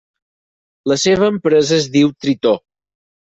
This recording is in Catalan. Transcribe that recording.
La seva empresa es diu Tritó.